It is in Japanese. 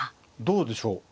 どうでしょう。